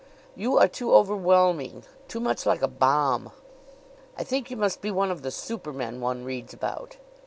"You are too overwhelming too much like a bomb. I think you must be one of the supermen one reads about.